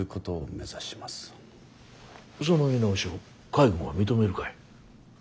その見直しを海軍は認めるかい？